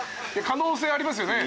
可能性ありますよね。